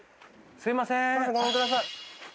すみませんごめんください。